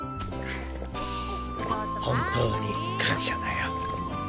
本当に感謝だよ。